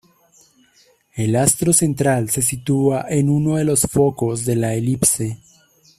El astro central se sitúa en uno de los focos de la elipse.